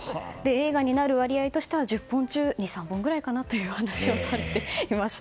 映画になる割合としては１０本中２３本くらいかなとお話をされていました。